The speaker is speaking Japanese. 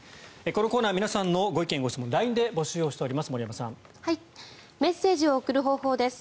このコーナー皆さんのご意見・ご質問をＬＩＮＥで募集しております。